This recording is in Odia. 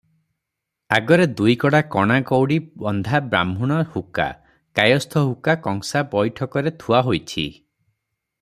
ଆଗରେ ଦୁଇକଡ଼ା କଣା କଉଡ଼ି ବନ୍ଧା ବ୍ରାହ୍ମୁଣ ହୁକା, କାୟସ୍ଥ ହୁକା କଂସା ବଇଠକରେ ଥୁଆ ହୋଇଛି ।